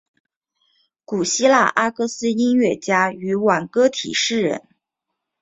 古希腊阿哥斯音乐家与挽歌体诗人。